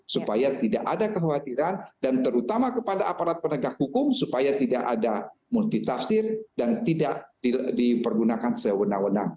supaya tidak ada kekhawatiran dan terutama kepada aparat penegak hukum supaya tidak ada multitafsir dan tidak dipergunakan sewenang wenang